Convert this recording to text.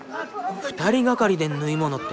２人がかりで縫い物って。